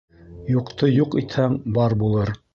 Юҡты юҡ итһәң, бар булыр.